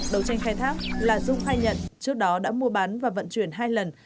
đầu tranh khai thác là dung khai nhận trước đó đã mua bán và vận chuyển hai lần